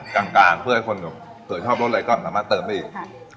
กลางกลางเพื่อให้คนเกิดชอบรสอะไรก็สามารถเติมได้อีกค่ะ